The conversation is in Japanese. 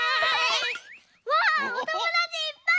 わあおともだちいっぱい！